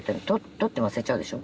撮って忘れちゃうでしょ。